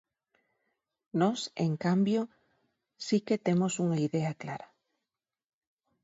Nós, en cambio, si que temos unha idea clara.